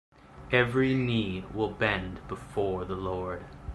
Every knee will bend before the Lord.